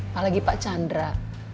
apalagi pak chandra